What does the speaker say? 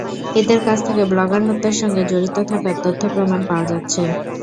এঁদের কাছ থেকে ব্লগার হত্যার সঙ্গে জড়িত থাকার তথ্য-প্রমাণ পাওয়া যাচ্ছে।